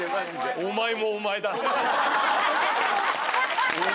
お前もお前だって。